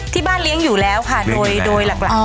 ที่บ้านเลี้ยงอยู่แล้วค่ะโดยหลัก